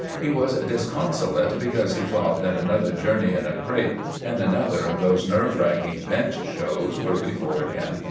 He was disconsolate be cause he thought that another journey in a crate and another of those nerve racking bench shows were before him.